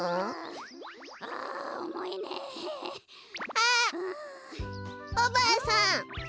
あっおばあさん